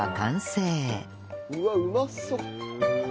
うわっうまそう！